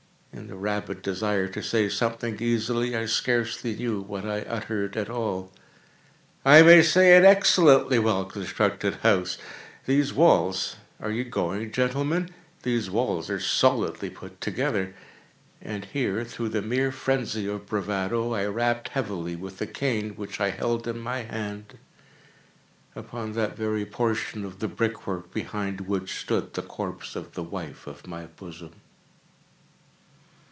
(In the rabid desire to say something easily, I scarcely knew what I uttered at all.)—"I may say an excellently well constructed house. These walls—are you going, gentlemen?—these walls are solidly put together;" and here, through the mere phrenzy of bravado, I rapped heavily, with a cane which I held in my hand, upon that very portion of the brick work behind which stood the corpse of the wife of my bosom.